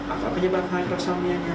apa penyebab hypersomnia nya